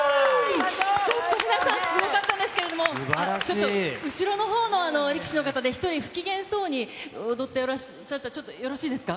ちょっと皆さん、すごかったんですけど、後ろのほうの力士の方で１人不機嫌そうに踊ってらっしゃった、ちょっとよろしいですか？